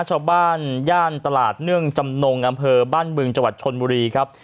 ชาวบ้านย่านตลาดเนื่องจำนงอำเภอบ้านบึงจังหวัดชนบุรีครับ